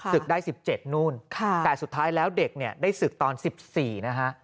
ศึกได้๑๗นู่นแต่สุดท้ายแล้วเด็กเนี่ยได้ศึกตอน๑๔นะฮะ